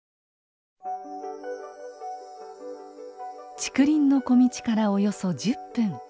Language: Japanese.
竹林の小径からおよそ１０分。